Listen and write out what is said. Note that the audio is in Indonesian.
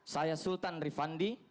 saya sultan rifandi